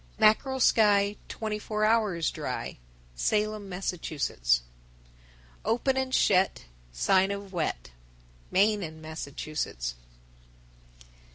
_ 1028. Mackerel sky, Twenty four hours dry. Salem, Mass. 1029. Open and shet, Sign of wet. _Maine and Massachusetts.